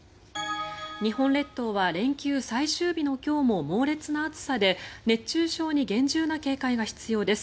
日本列島は連休最終日の今日も猛烈な暑さで熱中症に厳重な警戒が必要です。